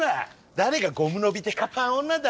誰がゴム伸びデカパン女だ！